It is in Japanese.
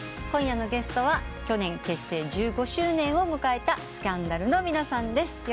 今夜のゲストは去年結成１５周年を迎えたＳＣＡＮＤＡＬの皆さんです。